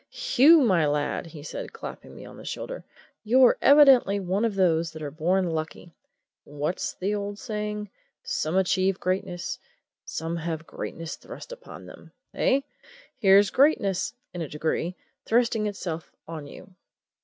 "Hugh, my lad!" said he, clapping me on the shoulder; "you're evidently one of those that are born lucky. What's the old saying 'Some achieve greatness, some have greatness thrust upon them!' eh? Here's greatness in a degree thrusting itself on you!"